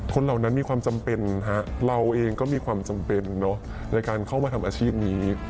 เหล่านั้นมีความจำเป็นฮะเราเองก็มีความจำเป็นเนอะในการเข้ามาทำอาชีพนี้